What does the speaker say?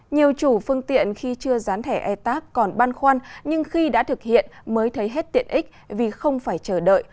nhiều chủ phương tiện khi chưa dán thẻ e tác còn ban khoan nhưng khi đã thực hiện mới thấy hết tiện ích vì không phải chờ đợi